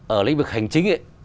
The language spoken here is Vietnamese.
ở lĩnh vực hành chính ấy